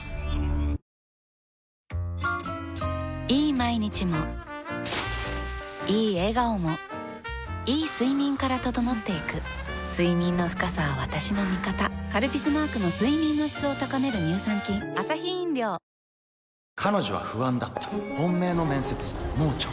毎日もいい笑顔もいい睡眠から整っていく睡眠の深さは私の味方「カルピス」マークの睡眠の質を高める乳酸菌会社組織じゃないんで個人でやってるので。